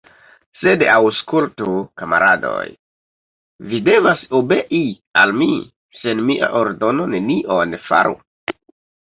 Sed aŭskultu, kamaradoj, vi devas obei al mi, sen mia ordono nenion faru?